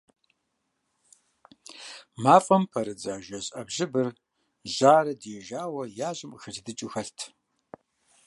МафӀэм пэрыздза жэз Ӏэбжьыбыр жьарэ диижауэ яжьэм къыхэлыдыкӀыу хэлът.